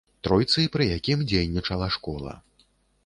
Тройцы, пры якім дзейнічала школа.